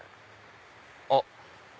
あっ。